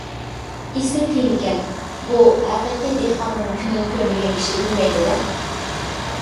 ئېسىل تېمىكەن! بۇ ھەقىقىي دېھقاننىڭ كۈنىنى كۆرمىگەن كىشى بىلمەيدۇ-دە.